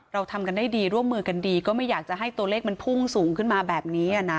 เราทำกันได้ดีร่วมมือกันดีก็ไม่อยากจะให้ตัวเลขมันพุ่งสูงขึ้นมาแบบนี้นะ